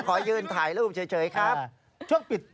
ขอยืนถ่ายรูปเฉยครับ